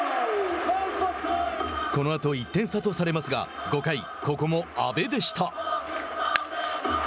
このあと１点差とされますが５回、ここも阿部でした。